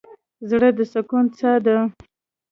زړه د سکون څاه ده.